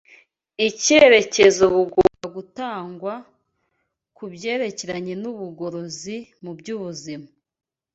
icyerekezo bugomba gutangwa ku byerekeranye n’ubugorozi mu by’ubuzima.